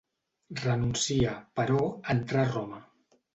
Renuncia, però, a entrar a Roma.